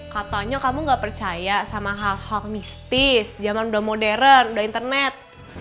katanya kamu gak percaya sama hal hal mistis zaman udah modern udah internet